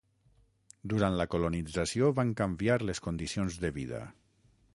Durant la colonització van canviar les condicions de vida.